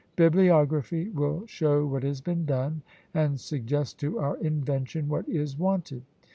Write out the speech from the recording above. Bibliography will show what has been done, and suggest to our invention what is wanted.